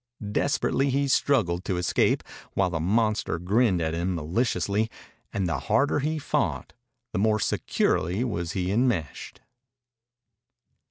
Desperately he struggled to escape while the monster grinned at him maliciously, and the harder he fought the more securely was he enmeshed.